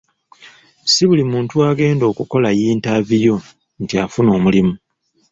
Si buli muntu agenda okukola yintaviyu nti afuna omulimu.